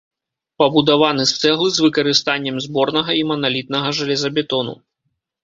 Пабудаваны з цэглы з выкарыстаннем зборнага і маналітнага жалезабетону.